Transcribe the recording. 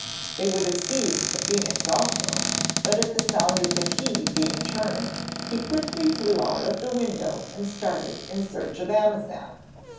They would have seized the phoenix also, but at the sound of the key being turned he quickly flew out of the window and started in search of Amazan.